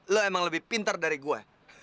lu emang lebih pintar dari gua